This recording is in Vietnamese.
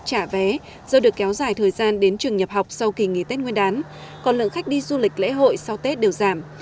trả vé do được kéo dài thời gian đến trường nhập học sau kỳ nghỉ tết nguyên đán còn lượng khách đi du lịch lễ hội sau tết đều giảm